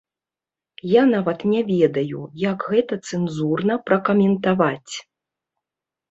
Я нават не ведаю, як гэта цэнзурна пракаментаваць.